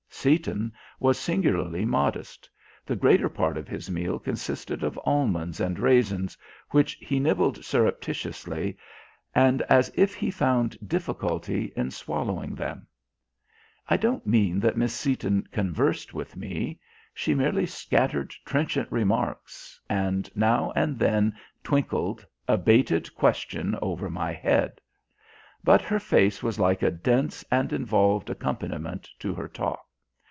Seaton was singularly modest; the greater part of his meal consisted of almonds and raisins, which he nibbled surreptitiously and as if he found difficulty in swallowing them. I don't mean that Miss Seaton "conversed" with me. She merely scattered trenchant remarks and now and then twinkled a baited question over my head. But her face was like a dense and involved accompaniment to her talk.